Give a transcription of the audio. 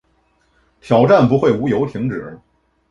挑战不会无由停止